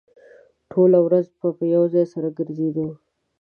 ټوله ورځ به يو ځای سره ګرځېدو.